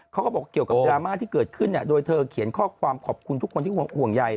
เขาบอกเกี่ยวกับดราม่าที่เกิดขึ้นโดยเธอเขียนข้อความขอบคุณทุกคนที่ห่วงใย